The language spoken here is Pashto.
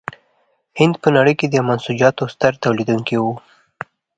هند په نړۍ کې د منسوجاتو ستر تولیدوونکی و.